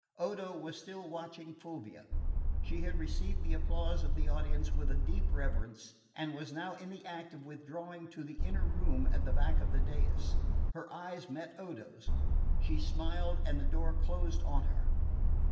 Odo was still watching Fulvia. She had received the applause of the audience with a deep reverence, and was now in the act of withdrawing to the inner room at the back of the dais. Her eyes met Odo's; she smiled and the door closed on her.